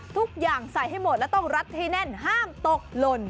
ทุกอย่างใส่ให้หมดและต้องรัดให้แน่นห้ามตกหล่น